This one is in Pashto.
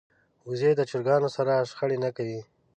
وزې د چرګانو سره شخړه نه کوي